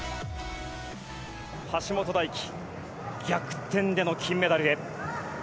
橋本大樹、逆転での金メダルへ。